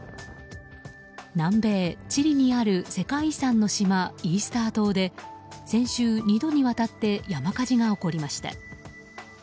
南米チリにある世界遺産の島イースター島で先週、２度にわたって山火事が起こりました。